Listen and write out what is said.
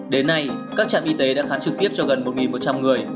đến nay các trạm y tế đã khám trực tiếp cho gần một một trăm linh người